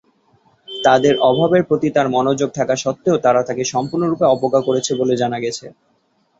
তাদের অভাবের প্রতি তার মনোযোগ থাকা সত্ত্বেও তারা তাকে সম্পূর্ণরূপে অবজ্ঞা করেছে বলে জানা গেছে।